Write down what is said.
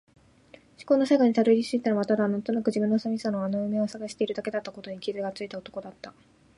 思考の最後に辿り着いたのはただ、なんとなくの自分の寂しさの穴埋めを探しているだけだったことに気がついたことだった。